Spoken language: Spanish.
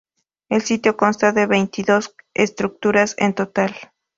El sitio consta de veintidós estructuras en total.